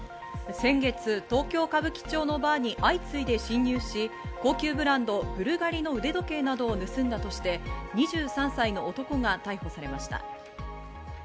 先月、東京・歌舞伎町のバーに相次いで侵入し、高級ブランド、ブルガリの腕時計などを盗んだとして２３歳の男が逮捕されました。